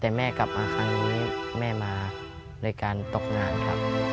แต่แม่กลับมาครั้งนี้แม่มาโดยการตกงานครับ